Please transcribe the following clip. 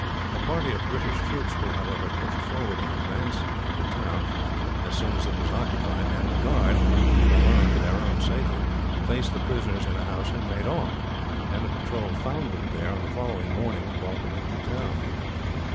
A party of British troops were, however, pushed forward in advance of the town, as soon as it was occupied; and the guard, in alarm for their own safety, placed the prisoners in a house and made off; and a patrol found them there, on the following morning, and brought them into the town.